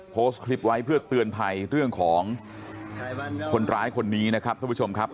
โพสต์คลิปไว้เพื่อเตือนภัยเรื่องของคนร้ายคนนี้นะครับท่านผู้ชมครับ